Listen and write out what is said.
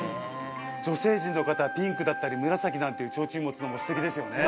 女性陣の方はピンクだったり紫なんていう提灯持つのもステキですよね。